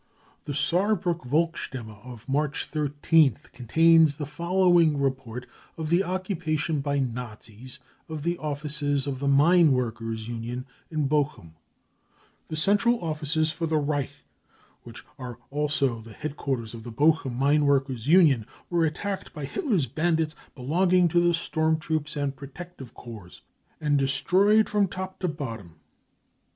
55 The Saarbriick Volksstimme of March 13 th contains the following report of the»occupation by Nazis of the offices of the Mineworkers 5 Union in Bochum : tc The central offices for the Reich, which are also the headquarters of the Bochum mineworkers union, were attacked by Hitler's bandits belonging to the storm troops and protective corps, and destroyed from top to bottom.